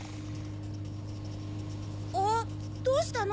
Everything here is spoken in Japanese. あっどうしたの？